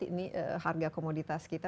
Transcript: ini harga komoditas kita